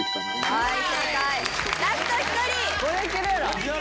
はい！